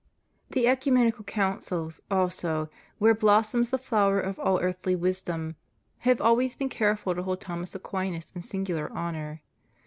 * The oecumenical councils also, where blossoms the flower of all earthly wisdom, have always been careful to hold Thomas Aquinas in singular honor.